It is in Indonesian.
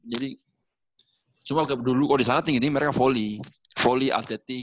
jadi cuma dulu kalo di sana tinggi tinggi mereka volley volley atletik